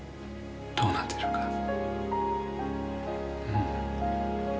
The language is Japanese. どうなってるか。